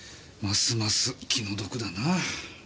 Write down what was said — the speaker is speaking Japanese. ますます気の毒だな。